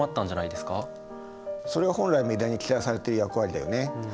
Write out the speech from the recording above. それが本来メディアに期待されている役割だよね。